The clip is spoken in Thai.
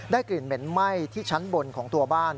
กลิ่นเหม็นไหม้ที่ชั้นบนของตัวบ้าน